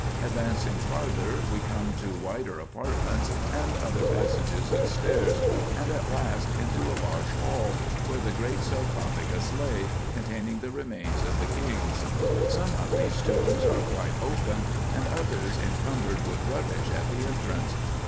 Advancing farther we come to wider apartments, and other passages and stairs, and at last into a large hall, where the great sarcophagus lay, containing the remains of the kings. Some of these tombs are quite open, and others incumbered with rubbish at the entrance.